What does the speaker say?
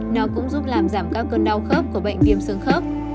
nó cũng giúp làm giảm các cơn đau khớp của bệnh viêm xương khớp